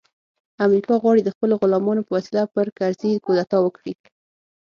امریکا غواړي د خپلو غلامانو په وسیله پر کرزي کودتا وکړي